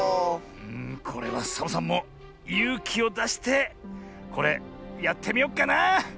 これはサボさんもゆうきをだしてこれやってみよっかなあ。